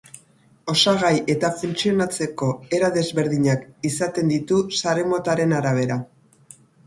Osagai eta funtzionatzeko era desberdinak izaten ditu sare-motaren arabera.